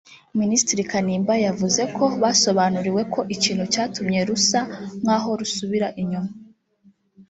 Minisitiri Kanimba yavuze ko basobanuriwe ko ikintu cyatumye rusa nk’aho rusubira inyuma